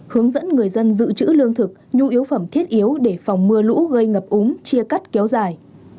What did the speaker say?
hướng dẫn người dân giữ chữ lương thực nhu yếu phẩm thiết yếu để phòng mưa lũ gây ngập úng chia cắt kéo dài